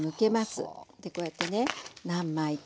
こうやってね何枚か。